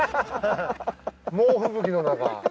猛吹雪の中。